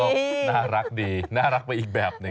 ก็น่ารักดีน่ารักไปอีกแบบหนึ่ง